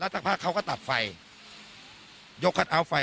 แต่ชอบเรียบร้อยนะครับ